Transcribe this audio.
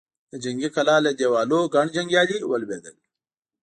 د جنګي کلا له دېوالونو ګڼ جنګيالي ولوېدل.